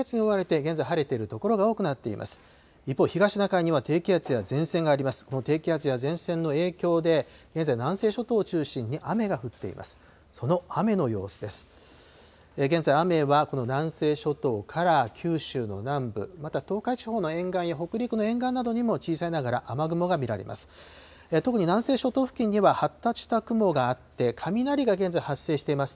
現在、雨はこの南西諸島から九州の南部、また東海地方の沿岸や北陸の沿岸などにも、小さいながら雨雲が見られます。